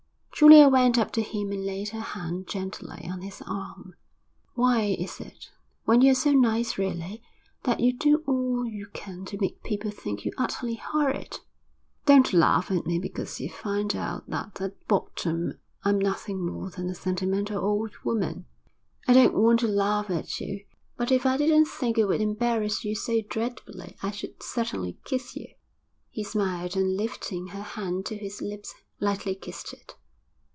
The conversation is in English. Julia went up to him and laid her hand gently on his arm. 'Why is it, when you're so nice really, that you do all you can to make people think you utterly horrid?' 'Don't laugh at me because you've found out that at bottom I'm nothing more than a sentimental old woman.' 'I don't want to laugh at you. But if I didn't think it would embarrass you so dreadfully, I should certainly kiss you.' He smiled and lifting her hand to his lips, lightly kissed it.